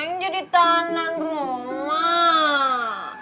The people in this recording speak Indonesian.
neng jadi tahanan rumah